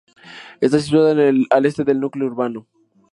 Está situada al este del núcleo urbano.